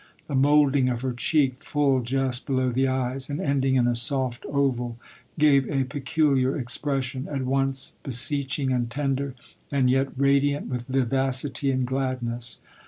The moulding of her cheek, full just below the eyes, and ending in a soft oval, gave a peculiar expression, at once beseeching and tender, and yet radiant with vivacity and glad ness.